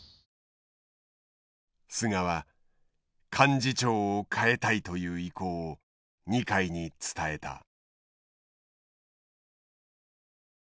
菅は幹事長を代えたいという意向を二階に伝えた。